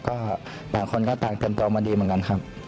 ก็ต่างคนก็ต่างเตรียมตัวมาดีเหมือนกันครับ